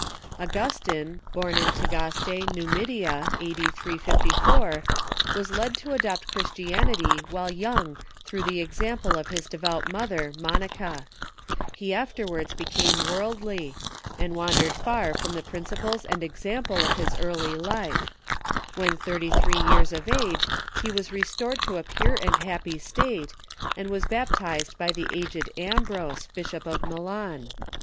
Augustine, born in Tagaste, Numidia, a.d. 354, Avas led to adopt Christianity while young through the example of his devout mother, Monica, lie afterwards became worldly, and wandered far from the principles and example of his early THE LATER CONTROVERSIES 51 life. When thirty three years of age he was restored to a pure and hai)py state, and was baptized by the aged Ambrose, Bishop of Milan.